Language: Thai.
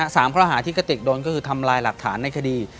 สามข้อหาที่กระติกโดนก็คือทำลายหลักฐานในคดี